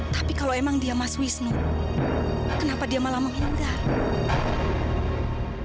tapi kalau emang dia mas wisnu kenapa dia malah menghindar